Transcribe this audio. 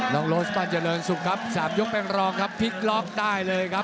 ลองโรสปัจจรนสุกครับ๓ยกแปงรองครับพลิกล๊อปได้เลยครับ